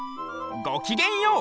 ごきげんよう。